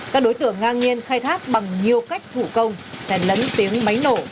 các đối tượng ngang nhiên khai thác bằng nhiều cách vũ công sẽ lấn tiếng máy nổ